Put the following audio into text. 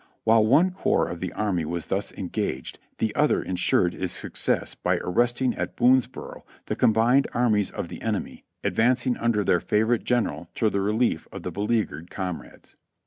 While one corps of the army was thus engaged the other insured its success by arresting at Boonsboro the combined armies of the enemy, advancing under their favorite general to the relief of the beleagured com rades.